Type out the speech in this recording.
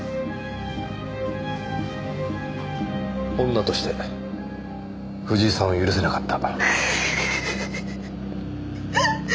女として藤井さんを許せなかった。